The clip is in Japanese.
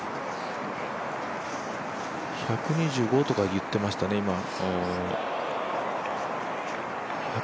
１２５とか言ってましたね、今。